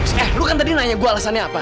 eh lu kan tadi nanya gue alasannya apa